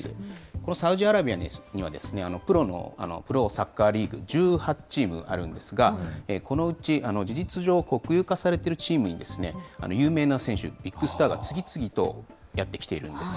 このサウジアラビアには、プロの、プロサッカーリーグ１８チームあるんですが、このうち事実上、国有化されているチームに有名な選手、ビッグスターが次々とやって来ているんです。